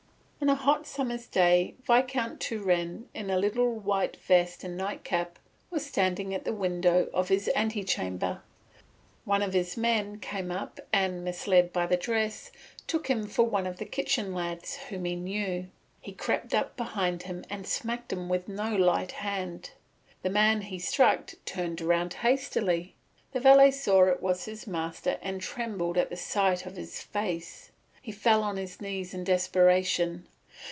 On a hot summer's day Viscount Turenne in a little white vest and nightcap was standing at the window of his antechamber; one of his men came up and, misled by the dress, took him for one of the kitchen lads whom he knew. He crept up behind him and smacked him with no light hand. The man he struck turned round hastily. The valet saw it was his master and trembled at the sight of his face. He fell on his knees in desperation.